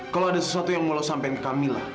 kalau ada sesuatu yang mau lo sampein ke kamila